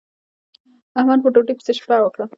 احمد په ډوډۍ پسې شپه وکړه.